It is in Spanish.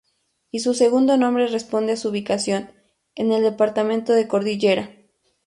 Y su segundo nombre responde a su ubicación, en el departamento de Cordillera.